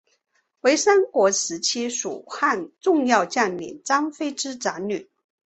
为三国时期蜀汉重要将领张飞之长女。